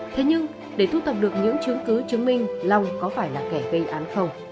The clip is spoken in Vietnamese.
thế nhưng để thu thập được những chứng cứ chứng minh long có phải là kẻ gây án không